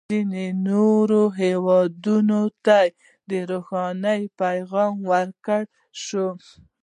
ځینو نورو هېوادونه ته روښانه پیغام ورکړل شو.